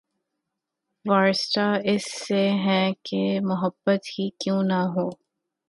وارستہ اس سے ہیں کہ‘ محبت ہی کیوں نہ ہو